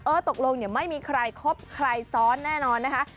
เออตกลงไม่มีใครครบใครซ้อนแน่นอนนะครับ